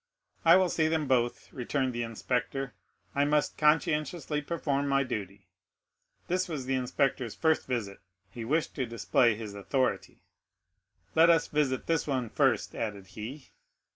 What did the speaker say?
"I will see them both," returned the inspector; "I must conscientiously perform my duty." This was the inspector's first visit; he wished to display his authority. "Let us visit this one first," added he.